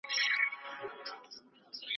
چي له خلوته مو د شیخ سیوری شړلی نه دی